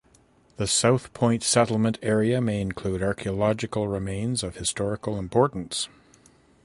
The South Point Settlement area may include archaeological remains of historical importance.